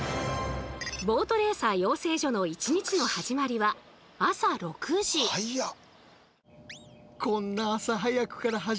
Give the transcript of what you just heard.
ボートレーサー養成所の一日の始まりは早っ。